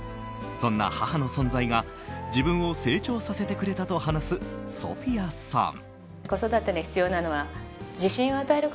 そんな母の存在が自分を成長させてくれたと話すソフィアさん。